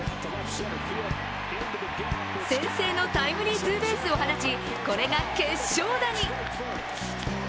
先制のタイムリーツーベースを放ち、これが決勝打に。